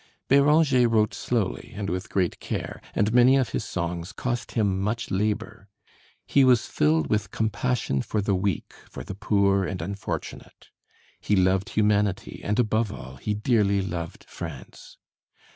Béranger wrote slowly and with great care, and many of his songs cost him much labor. He was filled with compassion for the weak, for the poor and unfortunate; he loved humanity, and above all he dearly loved France.